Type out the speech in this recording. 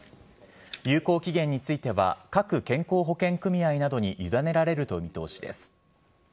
有効期限については各健康保険組合などに委ねられる見通しです。